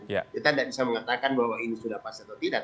kita tidak bisa mengatakan bahwa ini sudah pas atau tidak